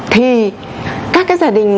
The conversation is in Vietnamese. thì các cái gia đình